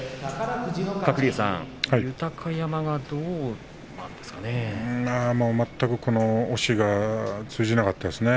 鶴竜さん、豊山はどうなんですかね。